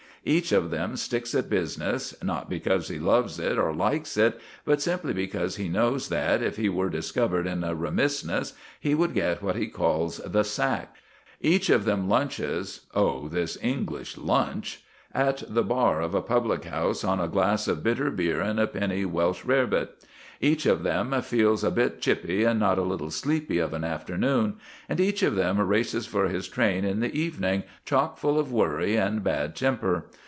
Each of them sticks at business, not because he loves it or likes it, but simply because he knows that, if he were discovered in a remissness, he would get what he calls "the sack." Each of them "lunches" oh, this English lunch! at the bar of a public house on a glass of bitter beer and a penny Welsh rare bit. Each of them feels a bit chippy and not a little sleepy of an afternoon, and each of them races for his train in the evening, chock full of worry and bad temper.